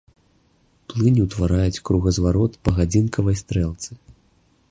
Плыні ўтвараюць кругазварот па гадзіннікавай стрэлцы.